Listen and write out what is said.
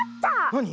なに？